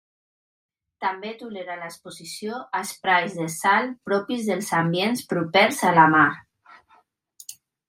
També tolera l'exposició a esprais de sal propis dels ambients propers a la mar.